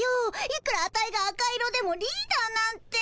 いくらアタイが赤色でもリーダーなんて。